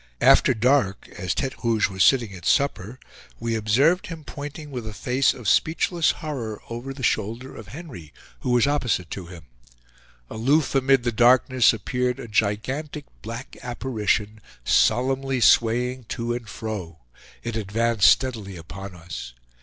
After dark, as Tete Rouge was sitting at supper, we observed him pointing with a face of speechless horror over the shoulder of Henry, who was opposite to him. Aloof amid the darkness appeared a gigantic black apparition; solemnly swaying to and fro, it advanced steadily upon us.